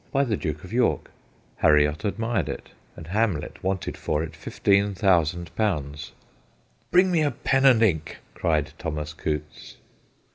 by the Duke of York. Harriot admired it, and Hamlet wanted for it 15,000. 'Bring me a pen and ink/ cried Thomas Coutts.